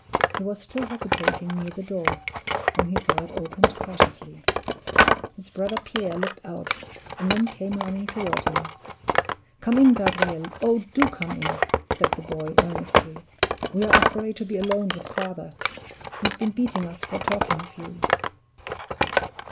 He was still hesitating near the door, when he saw it opened cautiously. His brother Pierre looked out, and then came running toward him. "Come in, Gabriel; oh, do come in!" said the boy, earnestly. "We are afraid to be alone with father. He's been beating us for talking of you."